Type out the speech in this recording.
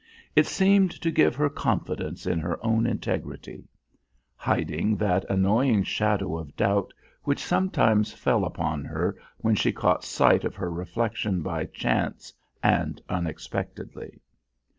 It seemed to give her confidence in her own integrity; hiding that annoying shadow of doubt which sometimes fell upon her when she caught sight of her reflection by chance and unexpectedly.